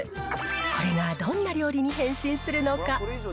これがどんな料理に変身するのか。